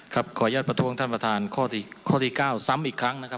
ขออนุญาตประท้วงท่านประธานข้อที่๙ซ้ำอีกครั้งนะครับ